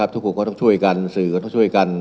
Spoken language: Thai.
ทุกคนก็ต้องช่วยกันสื่อก็ต้องช่วยกัน